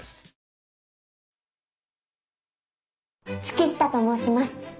月下と申します。